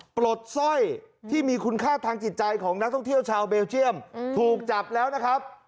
ปลดสร้อยที่มีคุณค่าทางจิตใจของนักท่องเที่ยวชาวเบลเจียมถูกจับแล้วนะครับ